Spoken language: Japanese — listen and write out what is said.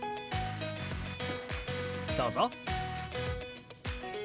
どうぞ。